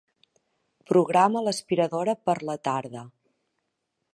Programa l'aspiradora per a la tarda.